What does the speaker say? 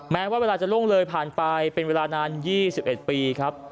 แม้ว่าเวลาจะล่วงเลยผ่านไปเป็นเวลานาน๒๑ปีครับ